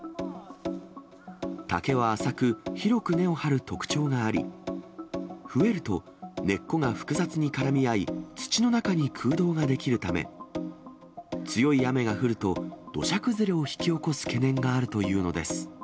竹は浅く、広く根をはる特徴があり、増えると、根っこが複雑に絡み合い、土の中に空洞が出来るため、強い雨が降ると、土砂崩れを引き起こす懸念があるというのです。